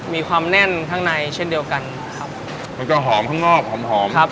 มีความแน่นข้างในเช่นเดียวกันครับมันก็หอมข้างนอกหอมหอมครับ